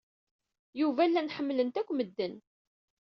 Yuba llan ḥemmlen-t akk medden.